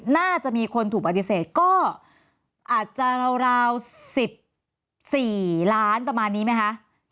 น่าจะมีคนถูกปฏิเสธก็อาจจะราว๑๔ล้านประมาณนี้ไหมคะ